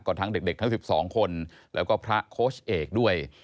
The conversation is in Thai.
ทั้งเด็กทั้ง๑๒คนแล้วก็พระโค้ชเอกด้วย